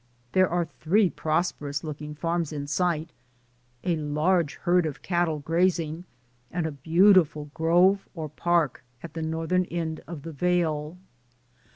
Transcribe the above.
There are three prosperous looking farms in sight, a large herd of cattle grazing, and a beautiful grove or park at the northern end of the vale.